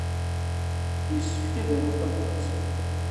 Yessefk ad aruɣ tabṛat.